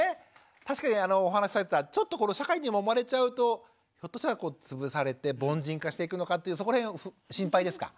確かにお話しされてたちょっとこの社会にもまれちゃうとひょっとしたら潰されて凡人化していくのかっていうそこら辺を心配ですか？